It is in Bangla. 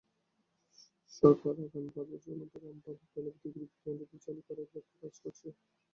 সরকার আগামী পাঁচ বছরের মধ্যে রামপালের কয়লাভিত্তিক বিদ্যুৎকেন্দ্রটি চালু করার লক্ষ্যে কাজ করছে।